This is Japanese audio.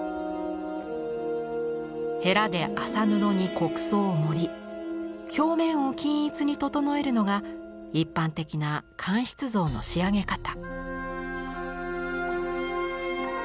ヘラで麻布に木屎を盛り表面を均一に整えるのが一般的な乾漆像の仕上げ方。